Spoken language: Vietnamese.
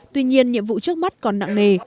tuy nhiên nhiệm vụ trước mắt còn nặng nề